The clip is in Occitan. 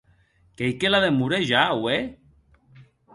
Qu'ei que la demore ja auè?